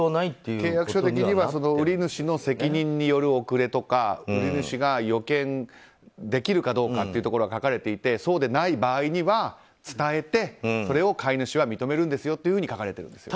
契約書的には売り主による責任による遅れとか売主が予見できるかどうかが書かれていてそうでない場合には伝えて、それを買い主は認めるんですよと書かれてるんですね。